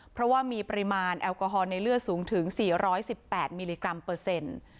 เพราะว่ามีปริมาณแอลกอฮอลในเลือดสูงถึง๔๑๘มิลลิกรัมเปอร์เซ็นต์